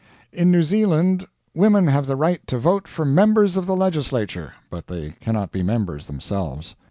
In New Zealand women have the right to vote for members of the legislature, but they cannot be members themselves.